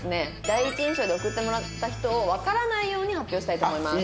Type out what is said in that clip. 第一印象で送ってもらった人をわからないように発表したいと思います。